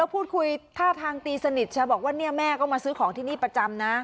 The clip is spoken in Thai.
พูดคุยท่าทางตีสนิทบอกว่าเนี่ยแม่ก็มาซื้อของที่นี่ประจำนะ